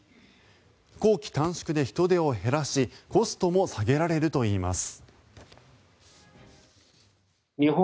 工期短縮で人手を減らしコストも下げられるといいます。